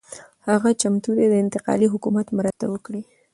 هغه چمتو دی د انتقالي حکومت مرسته وکړي.